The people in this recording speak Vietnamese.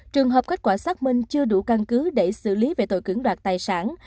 trường hợp kết quả xác minh chưa đủ căn cứ để xử lý về tội cưỡng đoạt tài sản